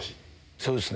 そうですね。